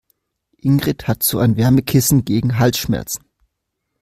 Ingrid hat so ein Wärmekissen gegen Halsschmerzen.